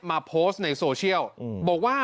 มาโพสต์ในโซเชียลบอกว่า